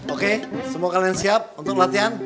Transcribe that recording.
oke semua kalian siap untuk latihan